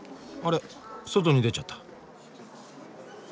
外に出ちゃった。